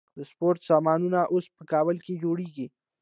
د سپورت سامانونه اوس په کابل کې جوړیږي.